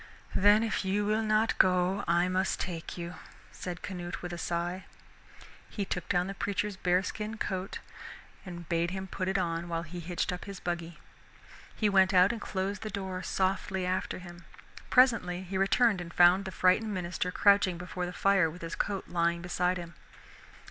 "Then if you will not go I must take you," said Canute with a sigh. He took down the preacher's bearskin coat and bade him put it on while he hitched up his buggy. He went out and closed the door softly after him. Presently he returned and found the frightened minister crouching before the fire with his coat lying beside him.